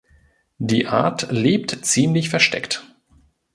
Die Art lebt ziemlich versteckt.